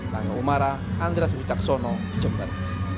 nangka umara andres ucaksono jember